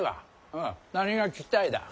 うん何が聞きたいだ？